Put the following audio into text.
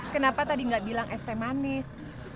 kenapa tadi nggak bilang es teh manis